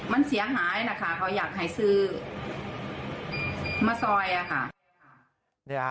มันเสียหายนะคะเขาอยากให้ซื้อมาซอยค่ะ